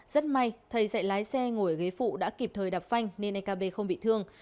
rất may thầy dạy lái xe ngồi ở ghế phụ đã kịp thời đạp phanh nên anh kb không bị thương